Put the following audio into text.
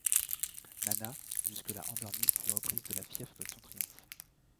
Nana, jusque-là endormie, fut reprise de la fièvre de son triomphe.